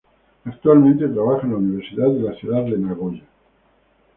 Actualmente, trabaja en la Universidad de la ciudad de Nagoya